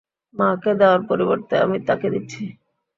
মাকে দেওয়ার পরিবর্তে, আমি তাকে দিচ্ছি।